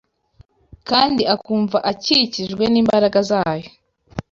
kandi akumva akikijwe n’imbaraga zayo.